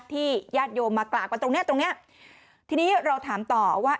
ญาติโยมมากราบกันตรงเนี้ยตรงเนี้ยทีนี้เราถามต่อว่า